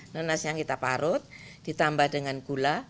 nanas yang kita parut ditambah dengan gula